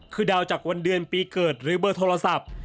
คือดาวจากวันเดือนปีเกิดหรือเบอร์โทรศัพท์